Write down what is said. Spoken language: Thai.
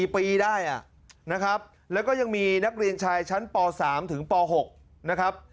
๔ปีได้นะครับแล้วก็ยังมีนักเรียนชายชั้นป๓ถึงป๖นะครับ